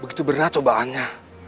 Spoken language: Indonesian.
begitu berat cobaannya